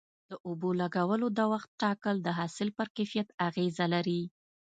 د اوبو لګولو د وخت ټاکل د حاصل پر کیفیت اغیزه لري.